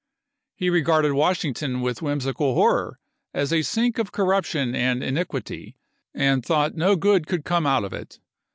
He regarded Washington with whimsical horror as a sink of corruption and iniquity, and thought that no good could come out of it.